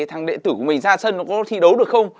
thằng đệ tử của mình ra sân nó có thi đấu được không